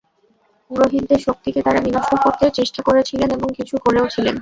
পুরোহিতদের শক্তিকে তাঁরা বিনষ্ট করতে চেষ্টা করেছিলেন এবং কিছু করেওছিলেন।